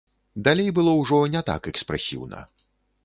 Далей было ўжо не так экспрэсіўна.